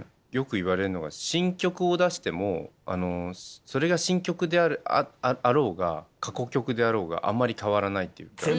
よく言われるのが新曲を出してもそれが新曲であろうが過去曲であろうがあんまり変わらないっていうか。